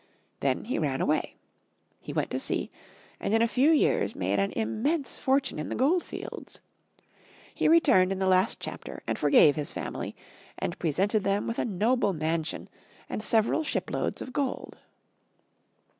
Then he ran away. He went to sea, and in a few years made an immense fortune in the goldfields. He returned in the last chapter and forgave his family and presented them with a noble mansion and several shiploads of gold.